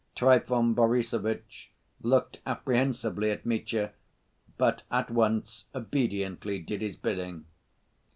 Trifon Borissovitch looked apprehensively at Mitya, but at once obediently did his bidding.